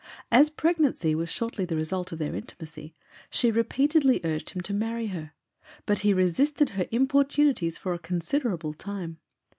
As pregnancy was shortly the result of their intimacy, she repeatedly urged him to marry her, but he resisted her importunities for a considerable time.